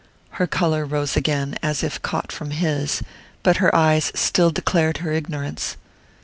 Her colour rose again, as if caught from his; but her eyes still declared her ignorance.